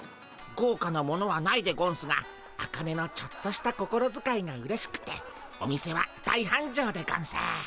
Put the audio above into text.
ごうかなものはないでゴンスがアカネのちょっとした心づかいがうれしくてお店は大はんじょうでゴンス。